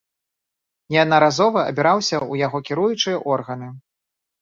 Неаднаразова абіраўся ў яго кіруючыя органы.